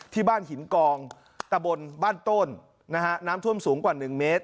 ที่บ้านหินกองตะบนบ้านต้นนะฮะน้ำท่วมสูงกว่า๑เมตร